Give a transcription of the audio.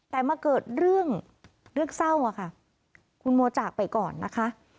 แต่มาเกิดเรื่องเรื่องเศร้าค่ะคุณโมจากไปก่อนนะคะ